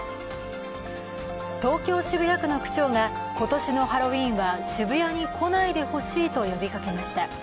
東京・渋谷区の区長が今年のハロウィーンは渋谷に来ないでほしいと呼びかけました。